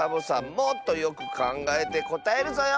もっとよくかんがえてこたえるぞよ。